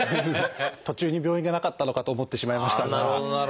途中に病院がなかったのかと思ってしまいましたが。